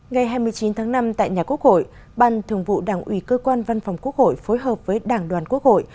ngày hai mươi chín tháng năm tại nhà quốc hội ban thường vụ đảng ủy cơ quan văn phòng quốc hội phối hợp với đảng đoàn quốc hội